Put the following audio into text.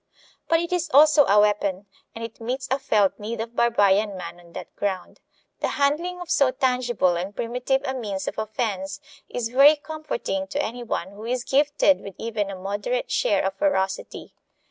But it is also a weapon, and it meets a felt need of barbarian man on that ground. The handling of so tangible and primitive a means of offense is very comforting to any one who is gifted with even a moderate share of ferocity.